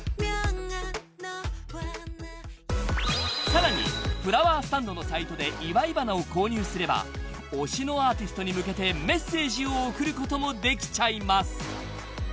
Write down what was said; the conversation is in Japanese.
［さらにフラワースタンドのサイトで祝い花を購入すれば推しのアーティストに向けてメッセージを送ることもできちゃいます］